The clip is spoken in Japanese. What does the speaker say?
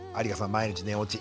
「毎日寝落ち」